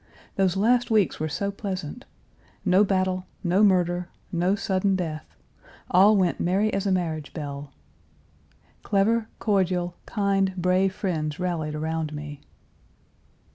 Those last weeks were so pleasant. No battle, no murder, no sudden death, all went merry as a marriage bell. Clever, cordial, kind, brave friends rallied around me.